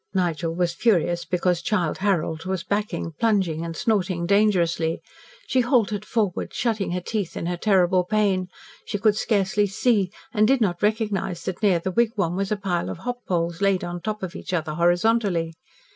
Nigel was furious because Childe Harold was backing, plunging, and snorting dangerously. She halted forward, shutting her teeth in her terrible pain. She could scarcely see, and did not recognise that near the wigwam was a pile of hop poles laid on top of each other horizontally.